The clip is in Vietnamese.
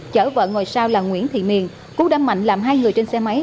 chở vợ ngồi sau là nguyễn thị miền cú đã mạnh làm hai người trên xe máy